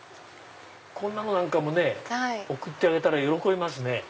こんなのもね送ってあげたら喜びますね。